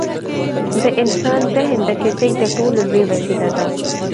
د انسان ذهن د فزیک تر ټولو لوی وسیله ده.